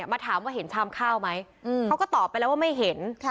มาถามว่าเห็นชามข้าวไหมเขาก็ตอบไปแล้วว่าไม่เห็น